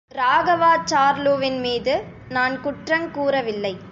ராகவாச்சார்லுவின் மீது நான் குற்றங் கூறவில்லை.